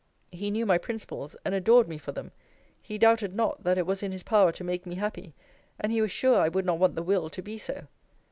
He knew my principles, and adored me for them. He doubted not, that it was in his power to make me happy: and he was sure I would not want the will to be so.